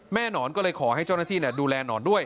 หนอนก็เลยขอให้เจ้าหน้าที่ดูแลหนอนด้วย